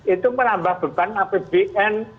itu menambah beban apbn